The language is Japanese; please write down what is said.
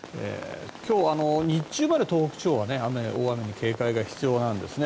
今日、日中まで東北地方は大雨に警戒が必要なんですね。